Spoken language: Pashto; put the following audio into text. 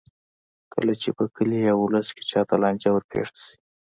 کله چې په کلي یا ولس کې چا ته لانجه ورپېښه شي.